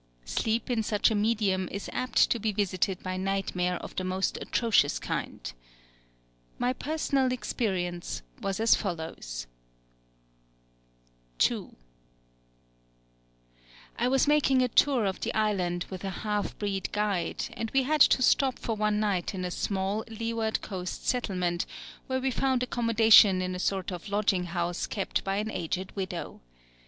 Sleep in such a medium is apt to be visited by nightmare of the most atrocious kind. My personal experience was as follows: II I was making a tour of the island with a half breed guide; and we had to stop for one night in a small leeward coast settlement, where we found accommodation at a sort of lodging house kept by an aged widow.